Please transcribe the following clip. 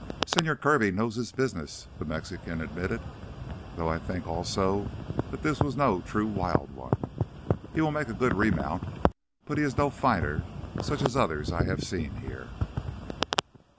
"Señor Kirby knows his business," the Mexican admitted. "Though I think also that this was no true wild one. He will make a good remount, but he is no fighter such as others I have seen here."